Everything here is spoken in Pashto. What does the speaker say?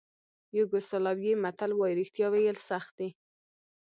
یوګوسلاویې متل وایي رښتیا ویل سخت دي.